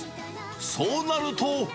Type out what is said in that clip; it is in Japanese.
そうなると。